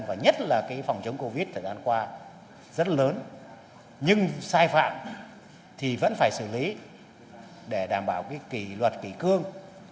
và nhất là cái phòng chống covid thời gian qua rất lớn nhưng sai phạm thì vẫn phải xử lý để đảm bảo cái kỳ luật kỳ cương